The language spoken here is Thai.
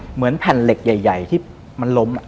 เหมือนแผ่นเหล็กใหญ่ที่มันล้ม